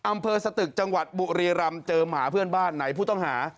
อำเภอสตึกจังหวัดบุรีรำเจอหมาเพื่อนบ้านไหนผู้ต้องหา